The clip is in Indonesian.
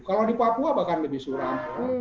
kalau di papua bahkan lebih suram